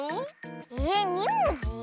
えっ２もじ？